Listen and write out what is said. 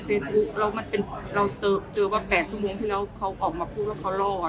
เฟสบุ๊คเรามันเป็นเราเจอเจอว่าแปดชั่วโมงที่แล้วเขาออกมาพูดว่าเขารอด